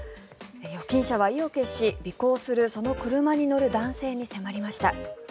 預金者は意を決し尾行するその車に乗る男性に迫りました。